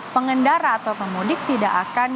pengendara atau pemudik tidak akan